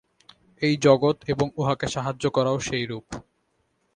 এই জগৎ এবং উহাকে সাহায্য করাও সেইরূপ।